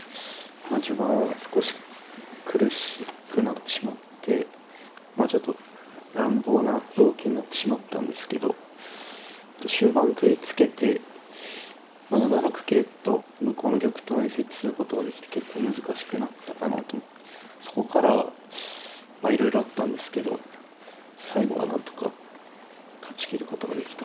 まあ序盤は少し苦しくなってしまってちょっと乱暴な動きになってしまったんですけど終盤食いつけてまあ７六桂と向こうの玉頭に設置することができて結構難しくなったかなと思ってそこからはまあいろいろあったんですけど最後はなんとか勝ちきることができたかなっていう感じです。